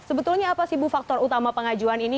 sebetulnya apa sih bu faktor utama pengajuan ini